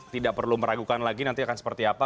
tidak perlu meragukan lagi nanti akan seperti apa